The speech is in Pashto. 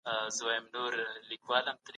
د سرمايې خالصي ګټي تېر کال خورا ټيټه کچه درلوده.